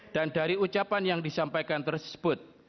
dan dari ucapan yang disampaikan tersebut